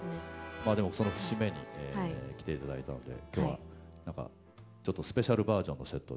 まあでもその節目に来て頂いたので今日は何かちょっとスペシャルバージョンのセットで。